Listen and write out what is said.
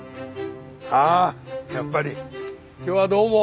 ああやっぱり今日はどうも。